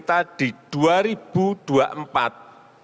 kita di dua ribu dua puluh empat